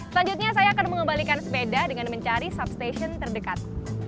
selanjutnya saya akan mengembalikan sepeda dengan mencari substation terdekat